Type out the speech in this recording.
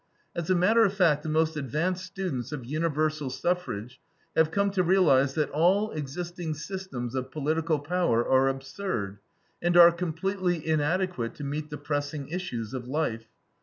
As a matter of fact, the most advanced students of universal suffrage have come to realize that all existing systems of political power are absurd, and are completely inadequate to meet the pressing issues of life.